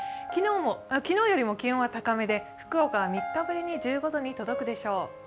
昨日よりも気温は高めで福岡は３日ぶりに１５度に届くでしょう。